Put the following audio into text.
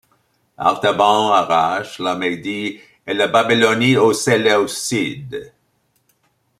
Artaban arrache la Médie et la Babylonie aux Séleucides.